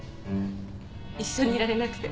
一緒にいられなくて。